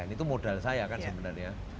itu modal saya kan sebenarnya